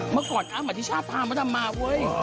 เมื่อก่อนอาหมาติชาพะมะดำมาเว้ย